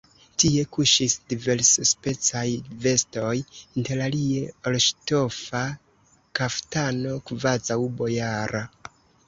Tie kuŝis diversspecaj vestoj, interalie orŝtofa kaftano, kvazaŭ bojara.